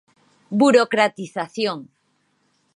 Burocratización.